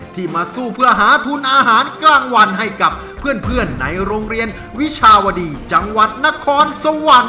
ที่มาสู้เพื่อหาทุนอาหารกลางวันให้กับเพื่อนในโรงเรียนวิชาวดีจังหวัดนครสวรรค์